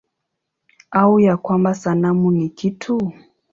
Au ya kwamba sanamu ni kitu?